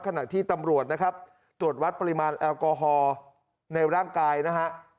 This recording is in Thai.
ขณะที่ตำรวจนะครับตรวจวัดปริมาณแอลกอฮอล์ในร่างกายนะฮะ